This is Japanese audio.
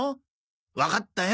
わかったよ。